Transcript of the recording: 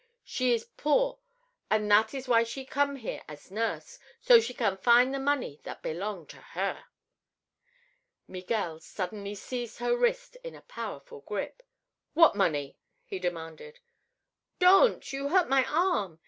She is poor, an' that is why she come here as nurse, so she can find the money that belong to her." Miguel suddenly seized her wrist in a powerful grip. "What money?" he demanded. "Don't; you hurt my arm!